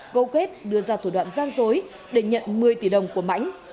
câu kết đưa ra thủ đoạn gian dối để nhận một mươi tỷ đồng của mãnh